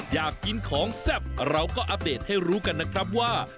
อยากกินของแซ่บเราก็อัปเดตให้รู้กันนะครับว่า